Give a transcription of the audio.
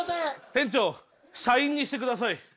店長社員にしてください。